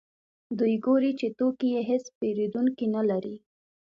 دوی ګوري چې توکي یې هېڅ پېرودونکي نلري